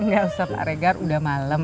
gak usah pak regar udah malem